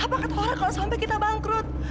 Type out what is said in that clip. apa ketawanya kalau sampai kita bangkrut